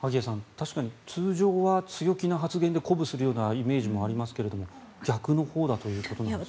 確かに通常は強気な発言で鼓舞するイメージもありますが逆だということですね。